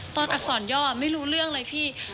อักษรย่อไม่รู้เรื่องเลยพี่